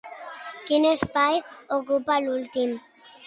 Quin espai ocupa l'últim?